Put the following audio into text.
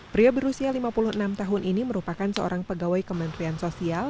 pria berusia lima puluh enam tahun ini merupakan seorang pegawai kementerian sosial